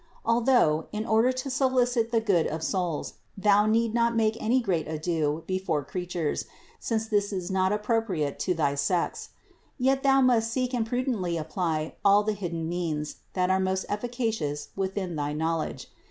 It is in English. Although, in order to solicit the good of souls, thou need not make any great ado before creatures, since that is not appropriate to thy sex; yet thou must seek and prudently apply all the hidden means, that are most efficacious within thy knowledge.